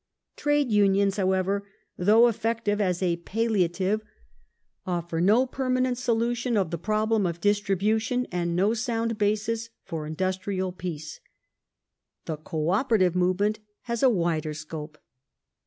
Trade Unions, however, though effective as a palliative, offer no Co opera permanent solution of the problem of distribution and no sound ^'°" basis for industrial peace. The Co operative movement has a wider scope.